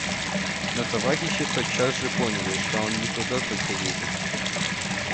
Но товарищи тотчас же поняли, что он не туда только едет.